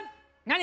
何？